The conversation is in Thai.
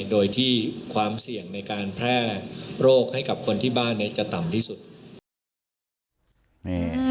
โดยที่ความเสี่ยงในการแพร่โรคให้กับคนที่บ้านเนี่ยจะต่ำที่สุด